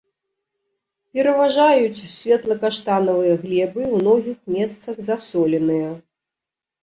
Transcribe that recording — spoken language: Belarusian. Пераважаюць светла-каштанавыя глебы, у многіх месцах засоленыя.